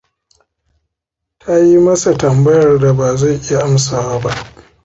Ta yi masa tambayar da ba zai iya amsawa ba.